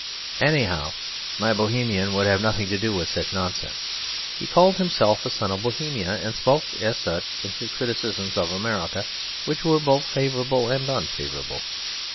Anyhow my Bohemian would have nothing to do with such nonsense; he called himself a son of Bohemia, and spoke as such in his criticisms of America, which were both favourable and unfavourable.